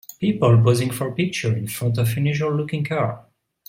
People posing for a picture in front of an unusual looking car.